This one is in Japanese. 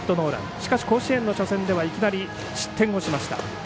しかし、甲子園の初戦ではいきなり失点をしました。